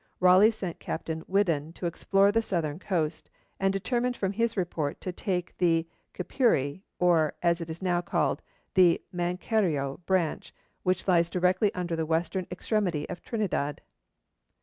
Raleigh sent Captain Whiddon to explore the southern coast, and determined from his report to take the Capuri, or, as it is now called, the Macareo branch, which lies directly under the western extremity of Trinidad.